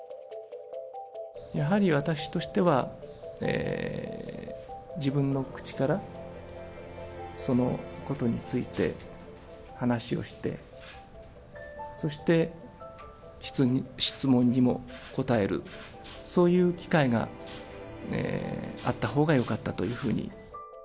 やはり私としては、自分の口から、そのことについて話をして、そして質問にも答える、そういう機会があったほうがよかったというふうに。